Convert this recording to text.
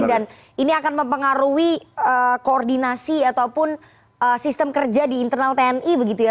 dan ini akan mempengaruhi koordinasi ataupun sistem kerja di internal tni begitu ya